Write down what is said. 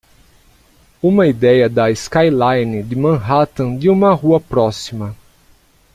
Uma ideia da skyline de Manhattan de uma rua próxima.